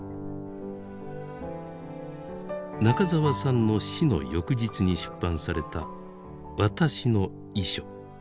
中沢さんの死の翌日に出版された「わたしの遺書」。